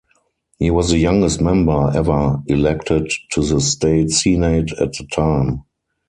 He was the youngest member ever elected to the state senate at the time.